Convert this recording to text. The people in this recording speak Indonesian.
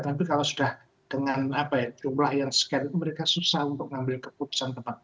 tapi kalau sudah dengan jumlah yang sekian itu mereka susah untuk mengambil keputusan tepat